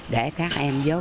để các em vô